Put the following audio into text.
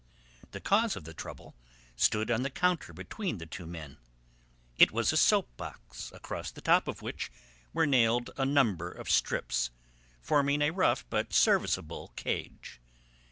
The cause of the trouble stood on the counter between the two men. It was a soap box across the top of which were nailed a number of strips, forming a rough but serviceable cage.